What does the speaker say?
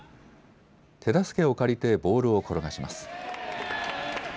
手助けを借りてボールを転がします。